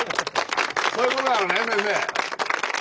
そういうことなのね先生。